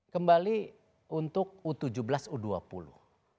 kembali untuk u tujuh belas u dua puluh